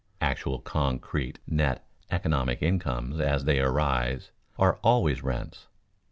Actual concrete net economic incomes as they arise are always rents.